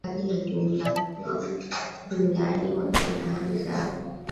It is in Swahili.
kumbuka ni safari ya jumla jumla yaani watu na mali zao